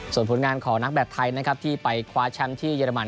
ส่วนผลงานของนักแบตไทยนะครับที่ไปคว้าแชมป์ที่เยอรมัน